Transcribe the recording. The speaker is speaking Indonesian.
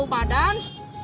tes bau badan